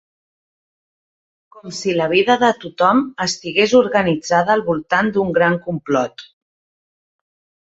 Com si la vida de tothom estigués organitzada al voltant d'un gran complot.